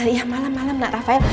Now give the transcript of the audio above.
ya malam malam nah rafael